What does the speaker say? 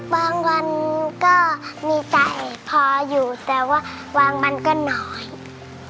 วันก็มีใจพออยู่แต่ว่าบางวันก็น้อย